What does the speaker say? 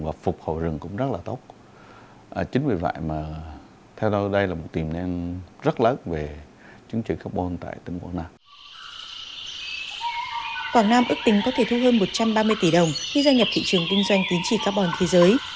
quảng nam ước tính có thể thu hơn một trăm ba mươi tỷ đồng khi gia nhập thị trường kinh doanh tính trị carbon thế giới